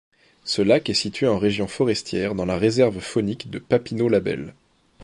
Ce lac est situé en région forestière dans la Réserve faunique de Papineau-Labelle.